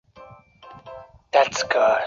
天保六年僧稠参与小南海石窟的重新开凿。